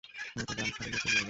নৌকা গ্রাম ছাড়াইয়া চলিয়া গেল।